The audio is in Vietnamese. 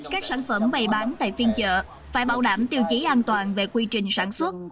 các sản phẩm bày bán tại phiên chợ phải bảo đảm tiêu chí an toàn về quy trình sản xuất